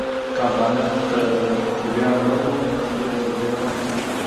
که افغانیت کې ویاړ نه و، ولې جګړې روانې دي؟